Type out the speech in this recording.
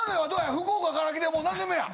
福岡から来てもう何年目や？